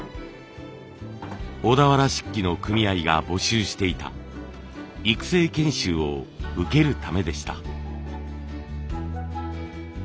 小田原漆器の組合が募集していた育成研修を受けるためでした。